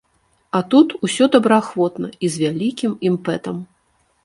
А тут усё добраахвотна і з вялікім імпэтам.